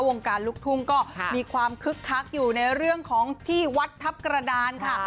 วงการลูกทุ่งก็มีความคึกคักอยู่ในเรื่องของที่วัดทัพกระดานค่ะ